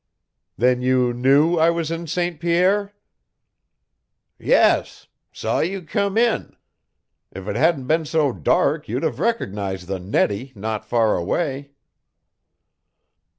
"Then you knew I was in St. Pierre?" "Yes; saw you come in. If it hadn't been so dark you'd have recognized the Nettie not far away."